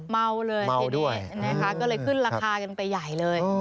เมาเลยทีนี้นะคะก็เลยขึ้นราคากันไปใหญ่เลย